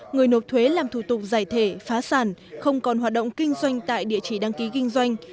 người nộp thuế làm thủ tục giải thể phá sản không còn hoạt động kinh doanh tại địa chỉ đăng ký kinh doanh